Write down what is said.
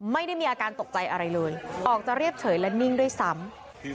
ไม่ได้มีอาการตกใจอะไรเลยออกจะเรียบเฉยและนิ่งด้วยซ้ำ